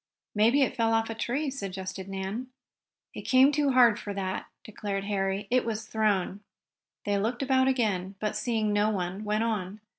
"Maybe it fell off a tree," suggested Nan. "It came too hard for that," declared Harry. "It was thrown." They looked about again, but, seeing no one, went on.